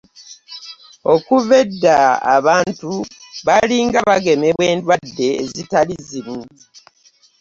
Okuva edda abantu baalinga bagemebwa endwadde ezitali zimu